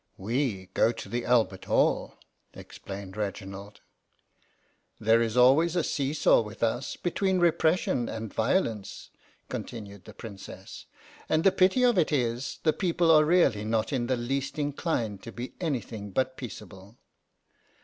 "We go to the Albert Hall," explained Reginald. " There is always a see saw with us between repression and violence," continued the Princess ;" and the pity of it is the people are really not in the least inclined to be anything but peaceable.